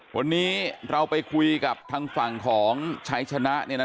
วันนี้เราไปคุยกับทางฝั่งของชัยชนะ